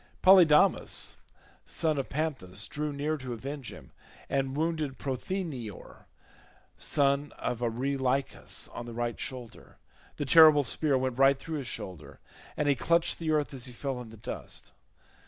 Polydamas son of Panthous drew near to avenge him, and wounded Prothoenor son of Areilycus on the right shoulder; the terrible spear went right through his shoulder, and he clutched the earth as he fell in the dust.